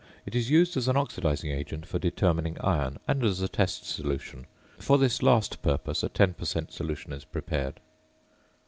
It is used as an oxidising agent, for determining iron; and as a test solution. For this last purpose a 10 per cent. solution is prepared.